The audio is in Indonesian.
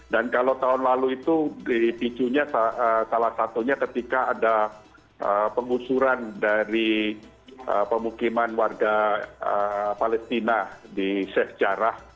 dan kalau tahun lalu itu dipicunya salah satunya ketika ada pengusuran dari pemukiman warga palestina di sheikh jarrah